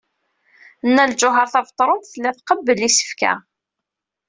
Nna Lǧuheṛ Tabetṛunt tella tqebbel isefka.